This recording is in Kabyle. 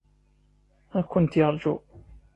Ad kent-yeṛju.